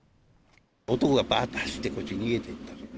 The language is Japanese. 男がばーっと走って、こっちに逃げてって言った。